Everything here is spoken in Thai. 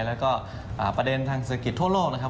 แล้วก็ประเด็นทางศักดิ์ภูมิโลกนะครับ